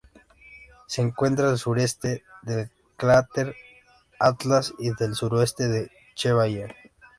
Se encuentra al sureste del cráter Atlas, y al suroeste de Chevallier.